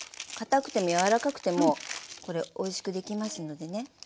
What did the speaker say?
かたくても柔らかくてもこれおいしくできますのでね。